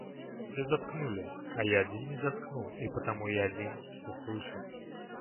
Все заткнули, а я один не заткнул и потому я один всё слышал.